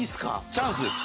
チャンスです。